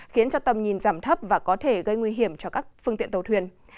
khiến cho tầm nhìn giảm thấp và có thể gây nguy hiểm cho các phương tiện tàu thuyền